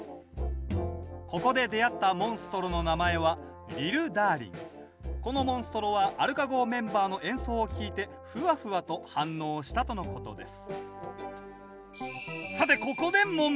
ここで出会ったモンストロの名前はこのモンストロはアルカ号メンバーの演奏を聴いてフワフワと反応したとのことです